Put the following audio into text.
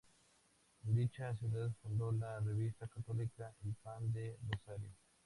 En dicha ciudad fundó la revista católica "El Pan del Rosario".